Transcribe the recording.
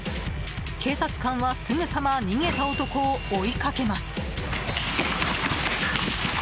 警察官は、すぐさま逃げた男を追いかけます。